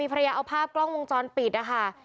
ภรรยาเอาภาพกล้องวงจรปิดนะคะ